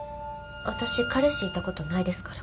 私彼氏いた事ないですから。